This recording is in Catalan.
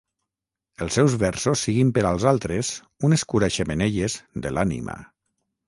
els seus versos siguin per als altres un escura-xemeneies de l'ànima